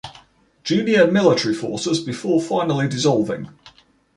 Junior Military Forces before finally dissolving.